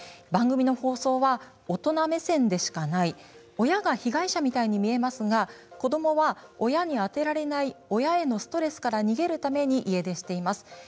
番組の放送は大人目線でしかない親が被害者みたいに見えますが子どもは親にあてられない親のストレスから逃げるために家出しています。